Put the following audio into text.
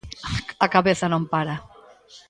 A cabeza non para